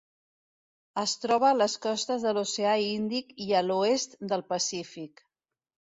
Es troba a les costes de l'Oceà Índic i a l'oest del Pacífic.